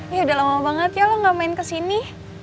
ya udah lama banget ya lo gak main kesini